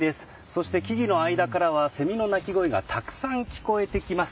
そして、木々の間からはセミの鳴き声がたくさん聞こえてきます。